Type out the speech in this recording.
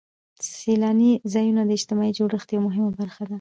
سیلاني ځایونه د اجتماعي جوړښت یوه مهمه برخه ده.